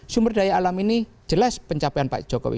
sumber daya alam ini jelas pencapaian pak jokowi